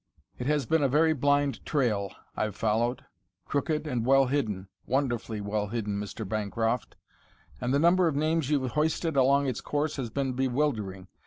It has been a very blind trail I've followed, crooked and well hidden wonderfully well hidden, Mr. Bancroft and the number of names you've hoisted along its course has been bewildering.